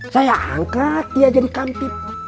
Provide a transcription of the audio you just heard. saya angkat dia jadi kampit